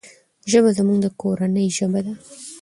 ژبه زموږ د کورنی ژبه ده.